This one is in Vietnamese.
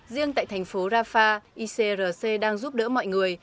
riêng tại thành phố rafah icrc đang giúp đỡ mọi người